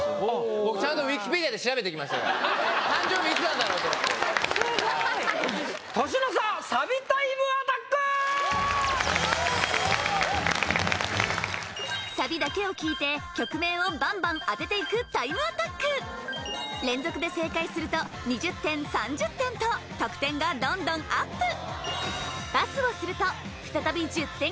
僕ちゃんと誕生日いつなんだろうと思って年の差サビタイムアタックサビだけを聴いて曲名をバンバン当てていくタイムアタック連続で正解すると２０点３０点と得点がどんどんＵＰあ